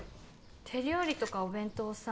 手料理とかお弁当をさ